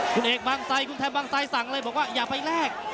คุณเอกบางไซคุณไทยบางไซดสั่งเลยบอกว่าอย่าไปแลก